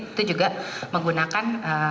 itu juga menggunakan